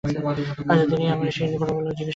আচ্ছা, তিনি– আমি সেই নৃপবালার কথা জিজ্ঞাসা করছি– রসিক।